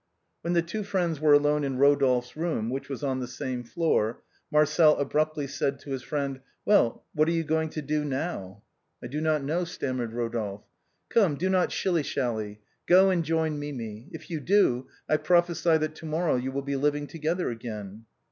When the two friends were alone in Eodolphe's room, which was on the same floor, Marcel abruptly said to his friend :" Well, what are you going to do now ?"" I do not know," stammered Eodolphe. " Come, do not shilly shally, go and join Mimi ! If you do, I prophecy that to morrow you will be living together again."